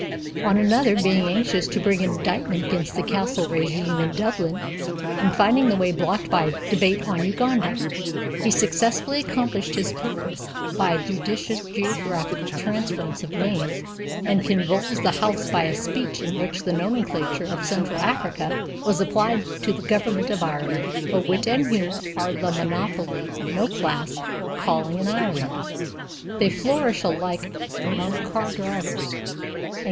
On another, being anxious to bring an indictment against the "Castle" régime in Dublin and finding the way blocked by a debate on Uganda, he successfully accomplished his purpose by a judicious geographical transference of names, and convulsed the House by a speech in which the nomenclature of Central Africa was applied to the government of Ireland. But wit and humor are the monopoly of no class or calling in Ireland. They flourish alike among car drivers and K.C.'